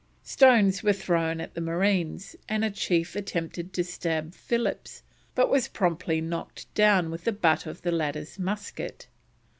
Stones were thrown at the marines, and a chief attempted to stab Phillips, but was promptly knocked down with the butt of the latter's musket.